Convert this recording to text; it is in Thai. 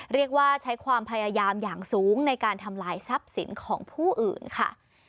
เรียกว่าใช้ความพยายามอย่างสูงในการทำลายทรัพย์สินของผู้อื่นค่ะ